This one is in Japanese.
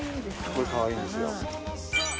これかわいいんですよ。